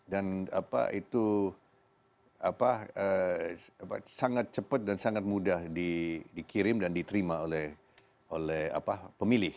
dan itu sangat cepat dan sangat mudah dikirim dan diterima oleh pemilih